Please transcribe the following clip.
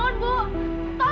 ibu bangun bu tolong